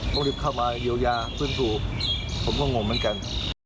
ก็รีบเข้ามาเยียวยาฟื้นฟูผมก็งงเหมือนกัน